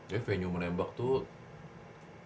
tapi venue menembak tuh